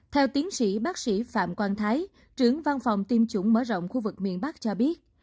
theo tiến sĩ bác sĩ phạm quang thái trưởng văn phòng tiêm chủng mở rộng khu vực miền bắc cho biết